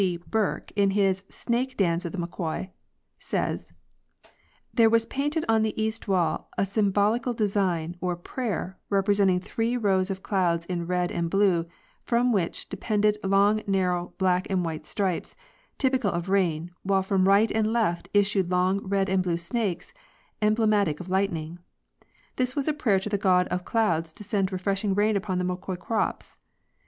G. Bourke, in his "Snake Dance of the Moqui" (page 120) says: There was painted on the east wall a symbolical design, or ' prayer," representing three rows of clouds in red and blue, from which depended long narrow black and white stripes, typical of rain, while from right and left issued long red and blue snakes, emblematic of lightning. This was a prayer to the god of clouds to send refreshing rains upon the Moqui crops.